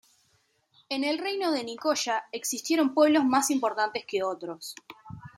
En el Reino de Nicoya existieron pueblos más importantes que otros.